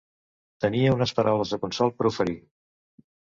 Tenia unes paraules de consol per oferir.